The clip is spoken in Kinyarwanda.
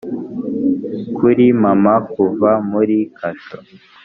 'kuri mama kuva muri kasho